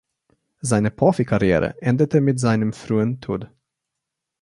Seine Profikarriere endete mit seinem frühen Tod.